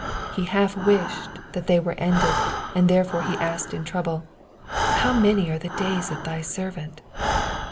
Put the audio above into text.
He half wished that they were ended, and therefore he asked in trouble, How many are the days of thy servant?